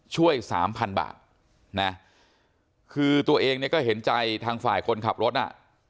ช่วยสามพันบาทนะคือตัวเองเนี่ยก็เห็นใจทางฝ่ายคนขับรถน่ะ